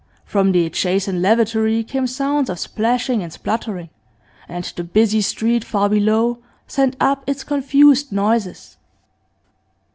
From the adjacent lavatory came sounds of splashing and spluttering, and the busy street far below sent up its confused noises.